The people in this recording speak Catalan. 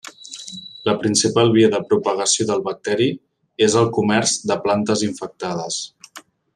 La principal via de propagació del bacteri és el comerç de plantes infectades.